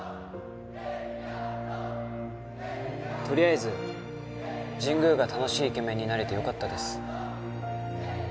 とりあえず神宮が楽しいイケメンになれてよかったです。